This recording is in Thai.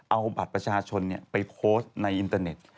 เอาบัตรประชาชนไปโพสต์ในอินเตอร์เน็ต